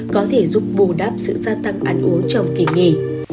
có thể giúp bù đắp sự gia tăng ăn uống trong kỳ nghỉ